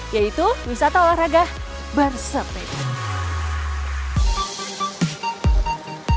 yaitu wisata olahraga bersepeda